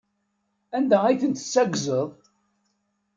Anda ay ten-tessaggzeḍ?